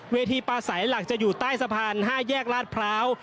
ปลาใสหลักจะอยู่ใต้สะพาน๕แยกลาดพร้าว